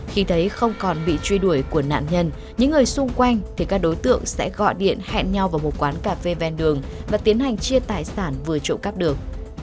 khi thấy không còn bị truy đuổi của nạn nhân những người xung quanh thì các đối tượng sẽ gọi điện hẹn nhau vào một quán cà phê ven đường và tiến hành chia tài sản vừa trộm cắp được